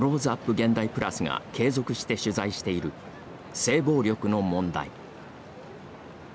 現代＋が継続して取材している「性暴力」の問題。